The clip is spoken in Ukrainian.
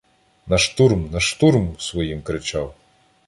"На штурм, на штурм!" — своїм кричав.